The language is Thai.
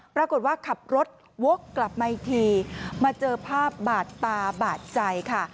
ปรากฏว่าขับรถวกกลับมาอีกทีมาเจอภาพบาดตาบาดใจค่ะ